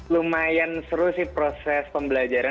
lumayan seru sih proses pembelajaran